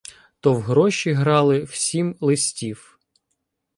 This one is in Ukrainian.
То в гроші грали всім листів.